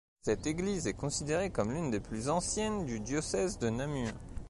Cette église est considérée comme l'une des plus anciennes du diocèse de Namur.